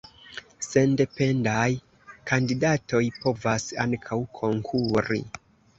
Sendependaj kandidatoj povas ankaŭ konkuri.